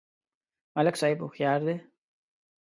ملک صاحب هوښیار دی.